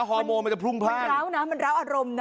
ฮอร์โมนมันจะพรุ่งพลาดร้าวนะมันร้าวอารมณ์นะ